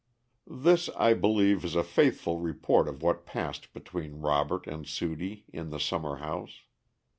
This, I believe, is a faithful report of what passed between Robert and Sudie in the summer house.